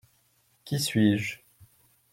Qui suis-je ?